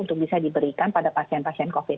untuk bisa diberikan pada pasien pasien covid